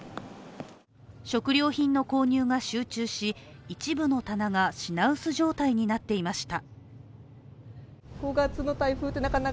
食料品の購入が集中し一部の棚が、品薄状態になっていました。